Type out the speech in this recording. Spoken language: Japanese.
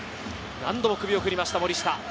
何度も首を振りました、森下。